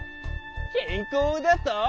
けんこうだと？